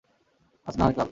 আজ না হয় কাল।